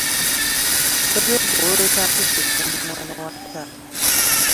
Tojooga oweeweeta mpisi kkundi mwana wa taata!